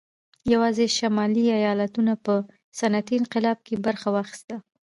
یوازې شمالي ایالتونو په صنعتي انقلاب کې برخه واخیسته